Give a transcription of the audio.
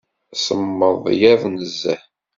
Semmeḍ yiḍ nezzeh.